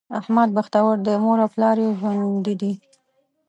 احمد بختور دی؛ مور او پلار یې ژوندي دي.